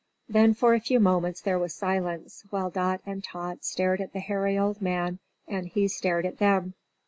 Then, for a few moments, there was silence, while Dot and Tot stared at the hairy old man and he stared at them.